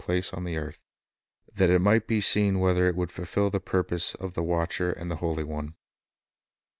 History and Prophecy 177 it might be seen whether it would fulfil the purpose of "the Watcher and the Holy One."